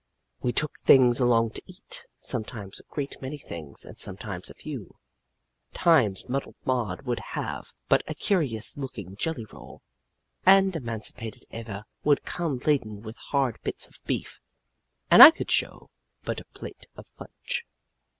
"We took things along to eat sometimes a great many things and sometimes a few. Times Muddled Maud would have but a curious looking jelly roll, and Emancipated Eva would come laden with hard bits of beef, and I could show but a plate of fudge.